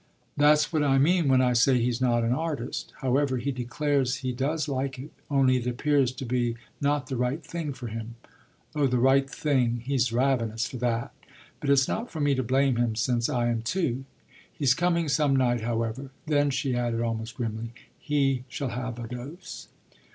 "That's what I mean when I say he's not an artist. However, he declares he does like it, only it appears to be not the right thing for him. Oh the right thing he's ravenous for that. But it's not for me to blame him, since I am too. He's coming some night, however. Then," she added almost grimly, "he shall have a dose."